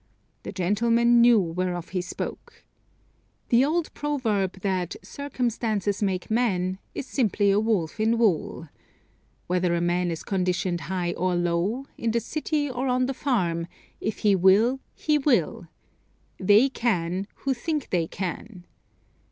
The gentleman knew whereof he spoke. The old proverb that "Circumstances make men" is simply a wolf in wool. Whether a man is conditioned high or low; in the city or on the farm: "If he will; he will." "They can who think they can."